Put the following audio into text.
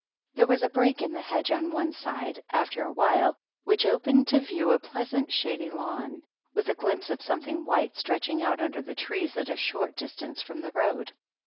There was a break in the hedge on one side, after a while, which opened to view a pleasant shady lawn, with a glimpse of something white stretching out under the trees at a short distance from the road.